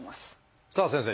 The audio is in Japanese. さあ先生